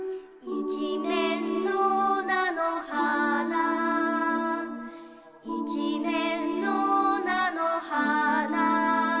「いちめんのなのはな」「いちめんのなのはな」